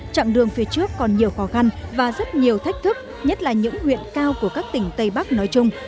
trạng đường phía trước còn nhiều khó khăn và rất nhiều thách thức nhất là những huyện cao của các tỉnh tây bắc nói chung